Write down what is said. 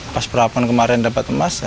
pas perapon kemarin dapat emas